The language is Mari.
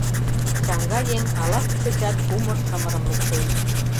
Чаҥга еҥ ала-кушечат кумыр-шымырым луктеш.